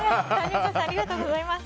ありがとうございます。